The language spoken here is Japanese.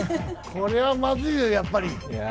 これはまずいよ、やっぱり。